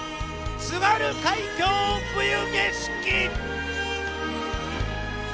「津軽海峡・冬景色」。